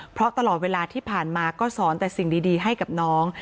เพราะตลอดเวลาที่ผ่านมาก็สอนแต่สิ่งดีให้กับน้อง